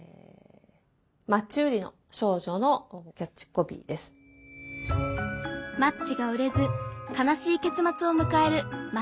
今日マッチが売れず悲しい結末を迎える『マッチ売りの少女』。